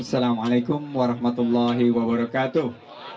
assalamualaikum warahmatullahi wabarakatuh